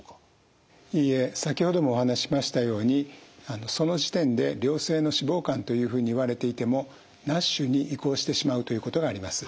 いいえ先ほどもお話ししましたようにその時点で良性の脂肪肝というふうに言われていてもＮＡＳＨに移行してしまうということがあります。